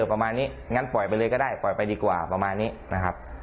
ประมาณนี้งั้นปล่อยไปเลยก็ได้ปล่อยไปดีกว่าประมาณนี้นะครับ